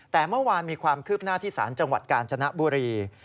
แต่เมื่อวานมีความคืบหน้าที่ศาลจังหวัดกาญจนบุรี